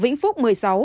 vĩnh phúc một mươi sáu